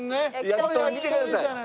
やきとん見てください。